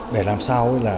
để làm sao là